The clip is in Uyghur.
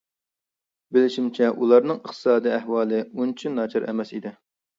بىلىشىمچە ئۇلارنىڭ ئىقتىسادى ئەھۋالى ئۇنچە ناچار ئەمەس ئىدى.